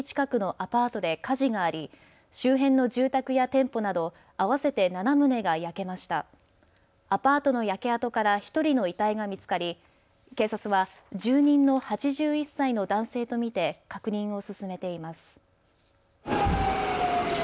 アパートの焼け跡から１人の遺体が見つかり警察は住人の８１歳の男性と見て確認を進めています。